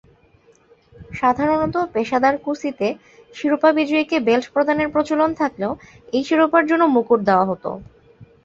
সাধারণত পেশাদার কুস্তিতে শিরোপা বিজয়ীকে বেল্ট প্রদানের প্রচলন থাকলেও, এই শিরোপার জন্য মুকুট দেয়া হতো।